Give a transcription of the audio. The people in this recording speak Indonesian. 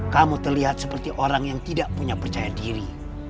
kamu terlihat seperti orang yang tidak punya percaya diri